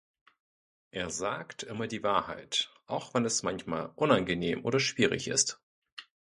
Er sagt immer die Wahrheit, auch wenn es manchmal unangenehm oder schwierig ist.